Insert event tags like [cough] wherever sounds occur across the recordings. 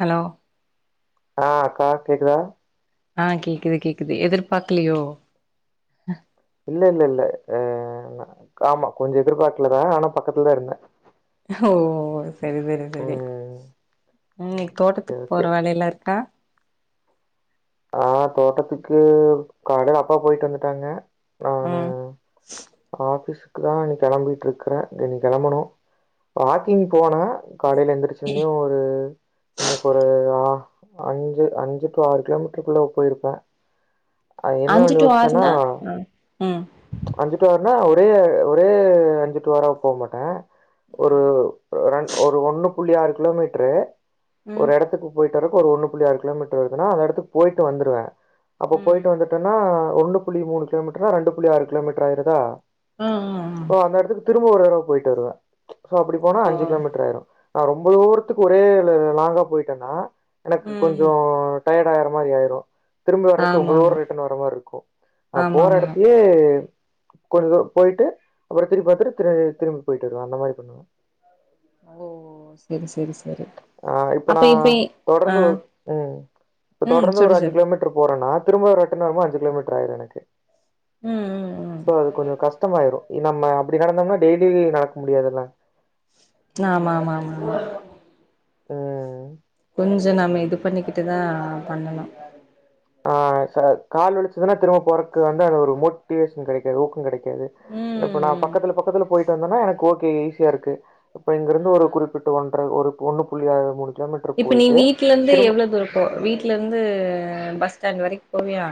Hello ஆஹ் அக்கா கேக்குதா ஆஹ் கேக்குது கேக்குது எதிர்பார்க்கலையோ இல்ல இல்ல இல்ல அஹ் ஆமா கொஞ்சோ எதிர்பார்க்கலத ஆனா பக்கத்துலதா இருந்த ஓ சரி சரி சரி ம் இன்னைக் ஓகே தோட்டத்துக்கு போற ஓகே. வேலைையல்லா இருக்கா ஆஹ் தோட்டத்துக்கு கடல அப்பா போயிட்டு வந்துட்டாங்க நானு ம் ஆஃபிஸ் குதா நீ கிளம்பிட்டு இருக்கிற நீ கிளம்பனு வாக்கிங் போன காலையில எந்திரிச்சந்து ஒரு இன்னைக்கு ஒரு ஆஹ அஞ்சு அஞ்சு டு ஆறு கிலோமீர் க்குள்ள போயிருப்ப அ என்ன அஞ்சு வே டு யோசிச்சேன்னா ஆறுனா ஆ ம் அஞ்சுட்டு ஆறு ஆனா ஒரே ஒரே அஞ்சுட்டு வார போ மாட்ட ஒரு ரன் ஒரு ஒண்ணு புள்ளி ஆறு கிலோமீட்டரு ம் ஒரு இடத்துக்கு போயிட் இருக்கு ஒரு ஒன்னு புள்ளி ஆறு கிலோமீட்டர் வருதுன அந்த இடத்துக்கு போயிட்டு வந்துருவ அப்ப ம் ம் போயிட்டு வந்துட்டோம்னா ஒண்ணு புள்ளி மூணு கிலோமீட்டருனா ரெண்டு புள்ளி ஆறு கிலோ மீட்டர் ஆயிருதா ஆஹ் ஹ் ஆஹ் இப்ப ஒரு தடவை போயிட்டு வருவ சோ அப்படி போனா ஓ அஞ்சு கிலோமீட்டர் ஆயிரு நா ரொம்ப தூரத்துக்கு ஒரே லாங்கா போயிட்டேன்னா எனக்கு ம் கொஞ்சோ ம் டயடாய்ரு மாரி ஆய்ரு திரும்ப வர்றக்கு ரொம்ப ஆமா தூரொ ஆமா ரிட்டன் வர மாரி இருக்கு நா ஆமா போற ஆமா எடத்தையே கொஞ் தூரொ போய்ட்டு அப்பறொ திரும்பி பாத்துட்டு திரு திரும்பி போயிட்டு வருவோ அந்த மாரி பண்ணுவோ ஓ செரி செரி செரி ஆ அப்ப நா இப்ப அ தொடர்ந்து ஒரு ம் இப்ப தொடர்ந்து ஒரு அஞ்சு கிலோமீட்ரு போறோனா திரும்போ ரிட்டன் வரம்போ அஞ்சு கிலோமீட்ரு ஆய்ரு எனக்கு ம் ம் ம் சோ அது கொஞ்சொ கஷ்டமாய்ரு இ நம்ம அப்டி நடந்தோம்னா டெய்லி நடக்க முடியாதுல்ல ஆமா ஆமா ஆமாமா ம் கொஞ்ச நம்ம இது பண்ணிக்கிட்டுதா பண்ணணு ஆ, ச கால் வலிச்சதுனா திரும்ப போறக்கு வந்து அது ஒரு மோட்டிவேஷன் கெடைக்காது ஊக்க கெடை க்காது இப்ப நா ம் பக்கத்துல பக்கத்துல போயிட்டு வந்தனா எனக்கு ஓகே ஈசியா இருக்கு இப்ப இங்கிருந்து ஒரு ஆ குறிப்பிட்டு ஒன்ட்ற ஒரு ஒண்ணு புள்ளி அ மூணு கிலோமீட்டர் இப்ப நீ போயிட்டு வீட்ல இருந்து திரும்ப எவ்ளோ தூர போவா, வீட்ல இருந்து பஸ் ஸ்டாண்ட் வரைக்கு போவியா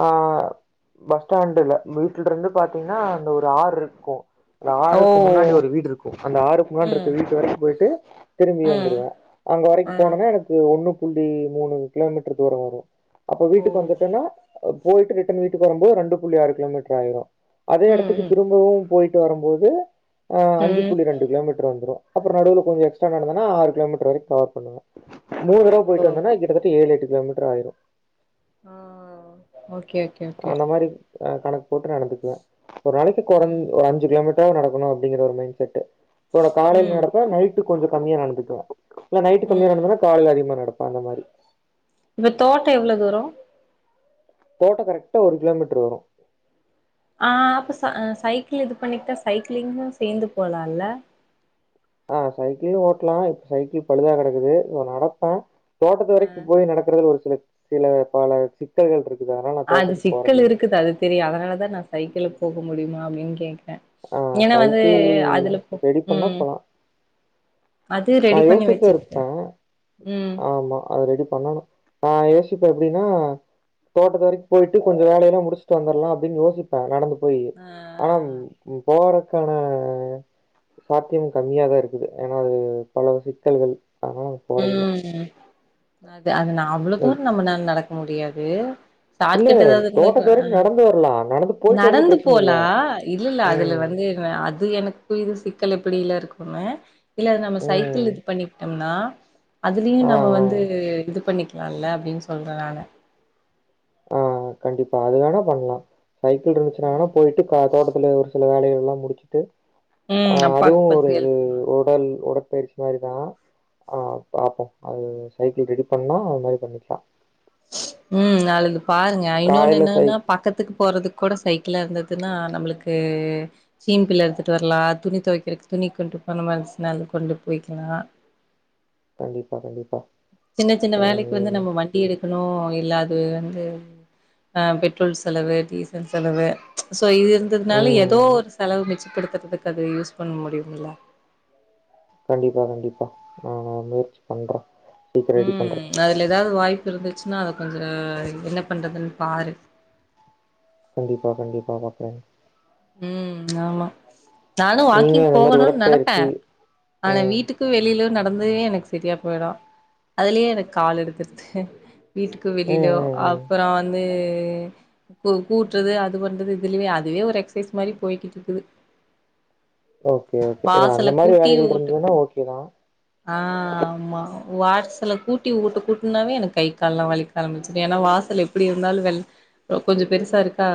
அ, பஸ் ஸ்டாண்ட் இல்ல வீட்ல இருந்து பாத்தீங்னா அந்த ஒரு ஆறு இருக்கு அந்த ஓ ஆறுக்கு முன்னாடி ஒரு வீடு இருக்கு அந்த ஆறுக்கு முன்னாடி ம் இருக்க வீட்டு வரைக்கு போயிட்டு திரும்பி ம் வந்துருவே அங்க வரைக்கு ஆ போனனா எனக்கு ஒண்ணு புள்ளி மூணு கிலோமீட்டர் தூர வரு அப்ப ஓ வீட்டுக்கு வந்துட்டோனா அ போயிட்டு ரிட்டன் வீட்டு வரும்போது ரெண்டு புள்ளி ஆறு கிலோமீட்டர் ஆயிரு அதே ம் எடத்துக்கு ம் திரும்பவு போயிட்டு வரும்போது ஆ அஞ்சு ம் புள்ளி ரெண்டு கிலோமீட்டர் வந்துரு அப்பறோ நடுவுல கொஞ்சோ எக்ஸ்ட்ரா நடந்தனா ஆறு கிலோமீட்டர் வரைக்கு கவர் பண்ணுவ மூணு தடவ ஓ போயிட்டு வந்தனா கிட்டத்தட்ட ஏழு எட்டு கிலோமீட்டர் ஆயிரு ஆ ஓ இப்ப அந்த மாரி ஆ கணக்கு போட்டு நடந்துக்குவே ஒரு நாளைக்கு கொற்ஞ் ம் ஒரு அஞ்சு கிலோமீ ட்ராவது நடக்கணு அப்டிங்கிற ஒரு மைண்ட் செட் எனக்கு காலைல ம் நடப்ப நைட்டு கொஞ்சோ கம்மியா நட [inaudible] இல்ல நைட்டு் கம்மியா ம் நடந்ததுன்னா காலைல அதிகமா நடப்ப அந்த மாரி. இப்ப தோட்டோ எவ்ளோ தூரோ தோட்டோ கரெக்டா ஒரு கிலோமீட்டர் வரு ஆஹ் அப்ப ச சைக்கிள் இது பண்ணிட்டா சைக்கிளிங்கு சேந்து போலால்ல. ஆஹ் சைக்கிள ஓட்டலாம் இப்ப சைக்கிள் பழுதா கிடக்குது இ நடப்ப தோட்டத்து ஆ வரைக்கு போய் நடக்றது ஒரு சில. சில பல சிக்கல்கள் இருக்கு. ஹ் அது சிக்கல் இருக்குது அது தெரியு அதனாலதா நா சைக்கிள். போக முடியமா அப்படின்னு கேட்க ஆஹ் சைக்கிள் போ ரெடி பண்ணா ம் போலா அது நா ரெடி பண்ணி யோசிட்டே வச்சுக்கிட்டே இருப்ப ம் ஆமா அது ரெடி பண்ணணு நான் யோசி. ப்ப எப்படின்னா தோட்டத்து வரைக்கு போயிட்டு கொஞ்சோ வேலையல்லா முடிச்சுட்டு வந்தடலா அப்படின்னு யோசிப்பே நடந்து. போய் ஆ ஆனா. போறக்கான சாத்தியம் கம்மியாதா இருக்குது ஏனா அது பல சிக்கல்கள். அதனால நான் போறதில்ல உம். நா. அது நா அவ்வளோ தூரோ நம்மனால நடக்க. முடியாது. இல்ல ஷார்கட் ஏதாவது இருந்த தோட்டத்து வரைக்கு நடந்து வரலா நடந்து போயிட்டு வரது நடந்து பிரச்சன இல்ல போலா இல்லல்ல அதுல ம் வந்து அது எனக்கு இது சிக். க்கள் எப்படில இருக்குமே. இல்ல அது நம்ம ம் சைக்கிள் இது பண்ணிக்கிட்டோம்னா. அதுலயு ஆ ஆ நம்ம வந்து இது பண்ணிக். நல்ல அப்படின்னு சொல்றேன் நான. ஆஹ் கண்டிப்பா அதுகானா பண்ணலா சைக்கிள் இருந்துச்சன்னாங்கன்னா ம் போயிட்டு தோட்டத்துல ஒரு சில வேலை. எல்லா முடிச்சுட்டு ம் அஹ அதுவு அப்பாக்கு ஒரு கொஞ்சோ இது ஹெல்ப் பண்ணுவே உடல் உட பெருசு மாரி தா ஆ பாப்போ அது சைக்கிள் ரெடி பண்ணா அது மாரி பண்ணிக்லா உம் நாளலிந்து பாருங்க இன்னொன்னு காலைல என்னன்னா சைக் பக்கத்துக்கு போறதுக்கு கூட சைக்கிள இருந் துன்னா நம்மளுக்கு சீன்பிள்ள எடுத்துட்டு வரலா துணி துவைக்கிறக்கு துணி கொண்டு போன மனஷ்னள் கொண்டு போயக்கலா கண்டிப்பா, கண்டிப்பா. சின்ன சின்ன வேலைக்கு வந்து நம்ம வண்டி எடு னோ இல்ல அது வந்து ஆ பெட்ரோல் செலவு டீசல் செலவு ஸா ஸோ இது இருந்ததுனால ஏதோ ம். ஒரு செலவு மிச்சப்படு தத்ததுகது யூஸ் பண்ண முடியும் இல்ல கண்டிப்பா கண்டிப்பா நா முயற்சி பண்றே ம் அதுல ஏதாவது வாய்ப் இருந்துச்சுன்னா அத கொஞ்சோ ஆ எங் என்ன பண்றதுனு பாரு கண்டிப்பா கண்டிப்பா பாக்றே ம் ஆமா நானு நீங்க வாக்கிங் அந்த மாரி போகோணுன் நெனப்ப உடற்பயிற்சி ஆனா ம். வீட்டுக்கு வெளில நடந்து எனக்கு செரியா போயிரு அதுலயே எனக்கு கால் எடுத்து வீட்டுக்கு ம், வெளிலியோ ம், ம். அப்புறோ வந்து கூ கூட்டுறது அது பண்றது இதுலயே அதுவே ஒரு எக்ஸ் பேஸ் மாரி போய்கிட்டு இருக்குது ஓகே ஓகே ஏனா வாசல அந்த மாரி கூட்டி வேலைகள் ஊட்டு இருந்ததுன்னா ஓகேதா ஆ ஆமா வாசல கூட்டி ஊட்ட கூட்டனாவே எனக்கு கை கால்லா வலிக்க ஆரம்பிச்சிரு ஏன்னா வாசல் எப்படி இருந்தாலு வெல் கொஞ்சோ பெருசா இருக்கா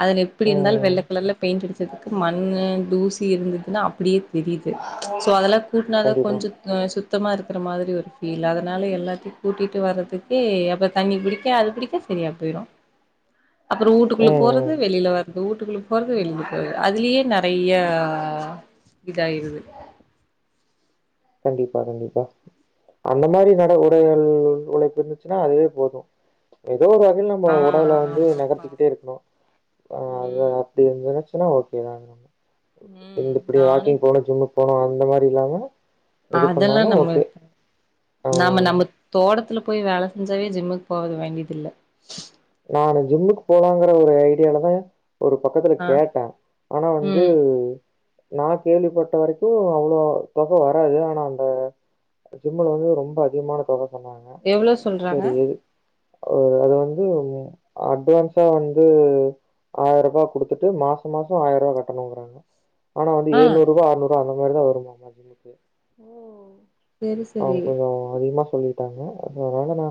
அதன் எப்டி இருந்தாலு ம். வெள்ள ன்ட் அடிச்சதுக்கு மண்ணு தூசி இருந்துதுன்னா அப்டியே தெரியுது சோ அதல கூட்னாத கண்டிப்பா. கொஞ்சோ ஆ சு த்தமா இருக்கிற மாரி ஒரு ஃபீல் அதனால எல்லாத்தையு கூட்டிட்டு வர்றதுக்கே அப்ப தண்ணி குடிக்க அத பிடிக்க சரியா போயிடோ அப்புறோ வூட்டுக்குள்ள ம், போறது ம். வெளில வர் இந்த ஊட்டுக்குள்ள போறது வெளிபடுத்தது அதுலயே நறையா இதாயிருது கண்டிப்பா கண்டிப்பா அந்த மாரி நடை உடைகள் உழைப்பு இருந்துச்சுன்னா அதுவே போதோ ஏதோ ஒரு வகையில நம்ம ஆ உடவுல வந்து ஆமாப்பா நகர்த்திக்கிட்டே ஆமா இருக்கணோ அது ம் அப்டி இருந்துனாச் இதோ ஓகே தாங்க ம் இந்த இப்படி நானு வாக்கிங் போன சும்ம போனோ அந்த மாரி இல்லாம எது அதெல்லா பண்ணாலும் ஓகே. நம்ம ஆ நாம நம்ப தோட்டத்துல போய் வேல செஞ்சாவே ஜிம்முக்கு போவது வேண்டியது இல்ல நானு ஜிம்முக்கு போலாங்கற ஒரு ஐடியாலதா ஒரு பக்கத்துல ஆ கேட்ட ஆனா வந்து ம் நா கேள்விப்பட்ட வரைக்கோ அவ்வளோ தொக வராது ஆனா அந்த ஜிம்ல வந்து ரொம்ப அதிகமான தொக சொன்னாங்க எவ்ளோ சொல்றாங்க ஒரு அது வந்து உண்மயா அட்வான்ஸா வந்து ஆயிரபா குடுத்துட்டு மாசம் மாசம் ஆயிரபா கட்டணுங்கறாங்க ஆனா வந்து ஆ ஏழ்நூறுபா ஆற்நூறுபா அந்த மாரிதா வருமாமா செரி ஆ செரி கொஞ்சோ அதிகமா சொல்லிட்டாங்க அதனால நா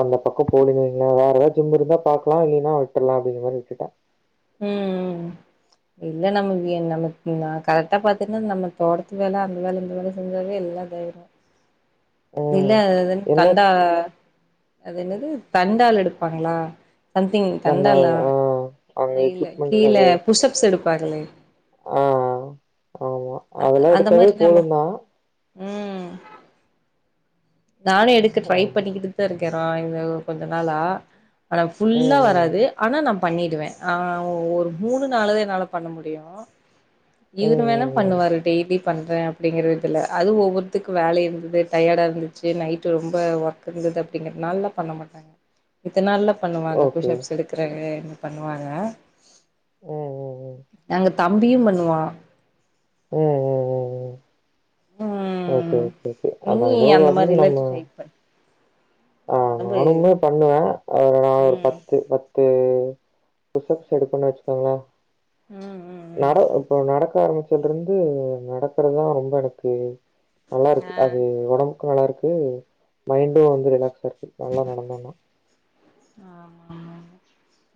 அந்த பக்கோ போலிங்க எ வேற எதா ஜும் இருந்தா பாக்லா இல்லேன்னா விட்டுர்லா அப்படிங்க மாரி விட்டுட்ட ம் இல்ல நம்ம வீ நம்ம ந கரெக்டா பாத்தீன்னா நம்ம தோட்டத்து வேல அந்த வேல இந்த வேல செஞ்சாலே எல்லா தைரியு ம் [unintelligible] என்ன கண்டா அது என்னது தண்டால் எடுப்பாங்ளா சம்திங் நம்ம தண்டாலா ஆ அங்க இல்ல எக்யூப்மெண்ட்ஸ் கீழ அது புஷ்அப்ஸ் எடுப்பாங்களே அ ஆமா அதெல்லா எடுத்தாவே போது தா உம் நானே எடுக்க ட்ரை ஆமா பண்ணிட்கிட்டு தா இருக்கே வெக்கிறோ இது ஒரு கொஞ்ச நாளா ஆனா ம் ஃபுல்லா ம் வராது ஆனா நம் பண்ணிவிடுவே அ ஒ ஒரு மூணு நாலு நா என்னால பண்ண முடியு இவ்ரு ம் வேனா ம் ம் பண்ணுவாரு டெய்லி பண்றே அப்டிங்கற இதுல அது ஒவ்வொருத்துக்கும வேலை இருந்தது டயடா இருந்துச்சு நைட்டு ரொம்ப ஒர்க் இருந்தது அப்படிங்கிறதுனால பண்ண மாட்டாங்க மித்த நாள்லா பண்ணுவாங்க ஓகே புஷ்அப்ஸ் எடுக்றாங்ளே நீங்க பண்ணி சொல்லுவாங்க ம் ம் ம் அங்க தம்பியு பண்ணுவா உம் உம் உம் உம் ம் கே கே கே அத நீ எதோ ஒரு அந்த வகையில மாரிலா நம்ம ட்ரை பண்ணு அ ஒடம்பு நானுமே பண்ணுவே அவ்ளோ நள் ஒரு ம் பத்து பத்து வந்து புஷ் அப்ஸ் எடுப்பண்ணு வச்சுக்கோங்களா ம் ம் ம் நட இப்போ நடக் க்க ஆரம்பச்சல இருந்து நடக்கறதா ரொம்ப எனக்கு ஆ நல்லாருக்கு அது ஒடம் நல்லாருக்கு மைண்டு வந்து ரிலாக்ஸ் தர்து நல்லா நடந்தோனா ஆமா ஆமா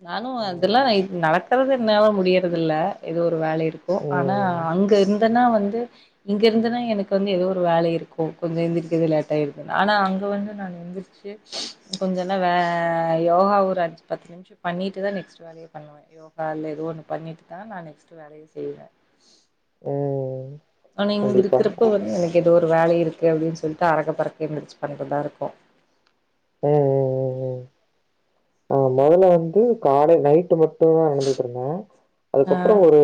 நானு அதுெல்லா நா ம் இ நட [unintelligible] என்னாலு முடியறதில்ல இது ஒரு ஒரு வேல இருக்கு ஆனா ம் அங்க இருந்து எதனா வந்து இங்க இருந்துனா எனக்கு வந்து எதோ ஒரு வேல இருக்கு கொஞ்சோ எந்திரிக்கிறது லேட்டா இருக்க ஆனா அங்கே வந்து நான எந்திரிச்சு கொஞ்சல்லா வே யோகா ஒரு அஞ்சு பத்து நிமிஷ பண்ணிட்டுதா நெக்ஸ்ட் வேலயே பண்ணுவே யோகா இல்ல ஏதோ ஒன்னு பண்ணிட்டுதா நா நெக்ஸ்ட் வேலயே செய்வ ம் ஆனா இங்க கண்டிப்பா. இருக்கிறப்ப வந்து எனக்கு ஏ தோ ஒரு வேல இருக்கு அப்டின்னு சொல்ட்டு அரக்கப்பறக்க எந்திரச்சு பண்றதா இருக்கு ம் ம் ம் ஆ மொதல்ல வந்து காலை நைட்டு மட் டுதா நடந்துட்டு இருந்தே ஆ அதுக்கப்பறோ ஒரு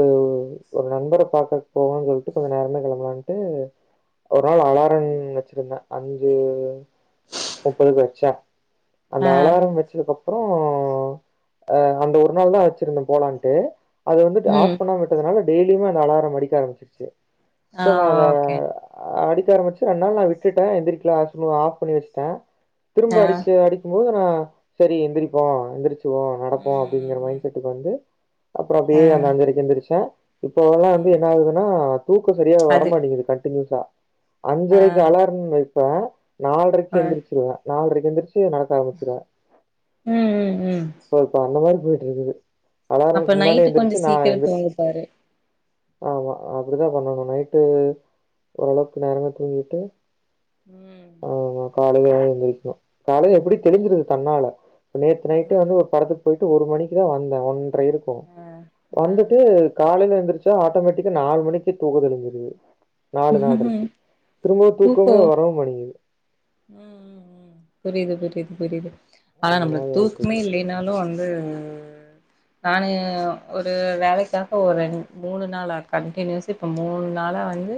ஒரு நண்பர பாக்க போகுனுனு சொல்ட்டு கொஞ்சோ நேரமே கெளம்பலான்ட்டு ஒரு நாள் அலாரம் வச்சிருந்தே அஞ்சு முப்பதுக்கு வச்சா அந்த ஆ அலாரம் வச்சதுக்கப் றோ அ அந்த ஒரு நாள்தா வச்சிருந்தே போலான்ட்டு அது வந்துட்டு ம் ஆஃப் பண்ணா விட்டதுனால டெய்லிமே அந்த அலாரம் அடிக்க ஆம்பிச்சிருச்சு ஆ சோ நா அத ஓகே அடி க்க ஆரம்பச்சு ரெண்டு நாள் நா விட்டுட்டே எந்திரிக்கல அது சும்மா ஆஃப் பண்ணி வச்சிட்டே ஆ திரும்ப அடிக்க அடிக்கும்போது ஆ செரி எந்திரிப்போ எந்திரிச் சிருவோ நடப்போ அப்டிங்கிற மைண்ட் செட்டுக்கு வந்து அப்றோ ஆ அப்டியே அந்த அஞ்சரைக்கு எந்திரிச்ச இப்போ அதெல்லா வந்து ம் என்ன ஆகுதுனா தூக்க சரியா வர அது மாட்டிங்கிது கண்டினியூஸா ஆ அஞ்சரைக்கு அலாரம் வெ க்குவ நால்ரைக்கு ஆ எந்திரிச்சிருவே நால்ரைக் எந்திருச்சு டு நடக்க ஆரம்பிக்குறே ம் ம் ம் அந்த மாரி போயிட்ருக்குது அப்ப அலாரனுக்கு முன்னாடே நைட்டு கொஞ்சோ எந்திருச்சு நா சீக்கிர எந்துருச்சு தூங்கு பாரு ஆமா அப்புடிதா பண்ணணும் நைட்டு ஓரளவுக்கு நேரமே தூங்கிட்டு ம் காலைலதா எந்திரிக்கிணு காலைல எப்புடி அ தெளிஞ்சிருது தன்னால நேத்து நைட்டே நன்னால வந்து ஒரு படத்துக் போயிட்டு ஒரு மணிக்கி தா வந்தே ஒன் ப்றொ இருக்கு ஆ ஆ வந்துட்டு காலைல எந்த்ருச்சா ஆட்டோமேட்டிக்கா நாலு மணிக்கி தூக்கொ தெளிஞ்சிருது நாலு நாள்றக்கி திரும்பவு தூக்கமே தூக்கோ வரவு மேட்டேங்கிது ம் ம் ம் புரியுது புரியுது புரியுது ஆனா அந்த நம்ளுக் மாரி தூக்மே ஆயிட்டுருக்கு. இல்லேன்னாலு வந்து நானு ஒரு வேலைக்காக ஒரு ரெண் மூணு நாளா கண்டினியூஸு இப்ப மூணு நாளா வந்து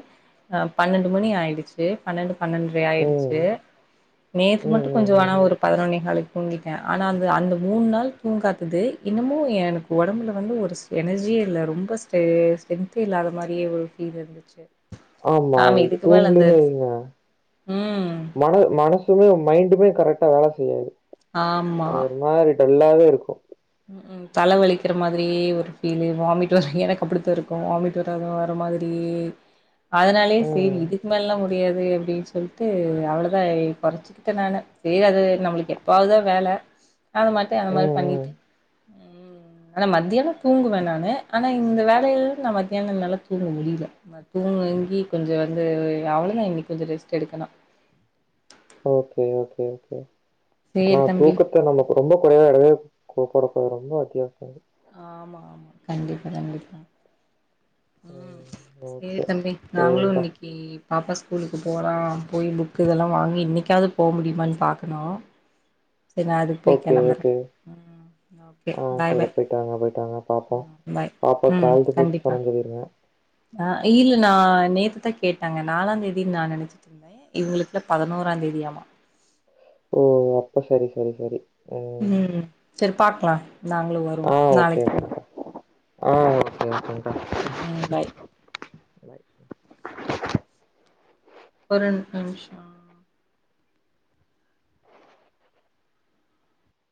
அ பன்னெண்டு மணி ஆய்டுச்சு பன்னெண்டு பன்னென்ற ஆய்டுச் ம். சு நேத்து ம், மட்டு ம், கொஞ்சொ ஆனா ம். ஒரு பதினொன்னேஹாலுக் தூங்கிட்ட ஆனா அந்த அந்த மூண் நாள் தூங்காதது இன்னமு எனக்கு ஒடம்புல வந்து ஒரு ஸ் எனர்ஜியே இல்ல ரொம்ப ஸ்டே ஸ்டென்த்தே இல்லாத மாரியே ஒரு ஃபீல் இருந்துச்சு ஆமா அது இதுக்கு மேல அந்த தூங்கலனு வைங்க ம் மன மனசுமே மைண்டுமே கரெக்ட்டா வேல செய்யாது ஆமா அது ஒரு மாரி டல்லாவே இருக்கு ம் ம் தல வலிக்கிற மாதிரியே ஒரு ஃபீலு வாமிட் வர் எனக்கப்டித்தா இருக்கு வாமிட் வரத வர்ற மாதிரியே அதுனாலயே சேரி ம். இதுக்கு மேலல்லா முடியாது அப்டின் சொல்ட்டு அவ்ளோதா எ கொறச்சுகிட்ட நானு சேரி அது நம்ளுக்கு எப்பாவாதா வேல அது மட்டு அது மாரி ம், ம். பண்ணிட்டு ம் ஆனா மத்தியானொ தூங்குவ நானு ஆனா இந்த வேலையில் நா மத்தியானொ என்னாலா தூங்க முடியில நா தூங்குங்கி கொஞ்சொ வந்து அவ்வளொதா இன்னைக் கொஞ்சொ ரெஸ்ட்டு எடுக்கணு ஓகே ஓகே கே ஆனா சேரி தம்பி தூக்கத்த நம்ம ரொம்ப குறைவா எடவே கோ போடக்கூடாது ரொம்ப அத்தியாவஸ்யம் ஆமா ஆமா கண்டிப்பா கண்டிப்பா உம் ம். சேரி ஓகே. தம்பி நாங்களு சரிங்க்கா. இன்னக்கி பாப்பா ஸ்கூலுக்கு போலா போய் புக்கு இதெல்லா வாங்கி இன்னைக்காவ்து போ முடியுமான் பாக்கணு சரி நா அதுக்கு போய் ஓகே கெளம்புறே ஓகே ம் ஓகே ஆ பாய் சேரி பாய் போயிட்டாங்க போயிட்டாங்க பாப்போ ம் பாய் பாப்பாக்கு ஆல் த பெஸ்ட் சொன்னன் சொல்லிருங்க அ இல்ல நா நேத்துதா கேட்டங்க நாலாந் தேதின் நா நெனச்சிட்ருந்தே இவங்களுக்குல்லா பதினோரா தேதியாமா ஓ அப்ப சரி சரி சரி ம் சேர் பாக்லா நாங்களு வருவோ ஆ ஓகே. நாளைக்கி ஆ ம் ஓகே, ஓகேங்க்கா. ம் பாய் [inaudible] ஒருரன் நிமிச